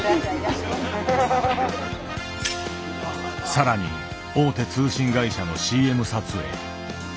更に大手通信会社のＣＭ撮影。